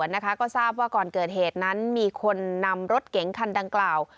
นะคะก็ทราบว่าก่อนเกิดเหตุนั้นมีคนนำรถเก๋งคันดังกล่าว